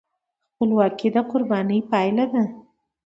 خپلواکي د قربانۍ پایله ده.